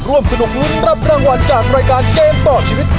ร่วมสนุกลุ้นรับรางวัลจากรายการเกมต่อชีวิต